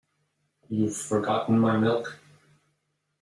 You've forgotten my milk.